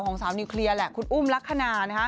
สาวนิวเคลียร์แหละคุณอุ้มลักษณะ